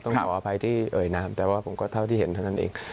ขออภัยที่เอ่ยนามแต่ว่าผมก็เท่าที่เห็นเท่านั้นเอง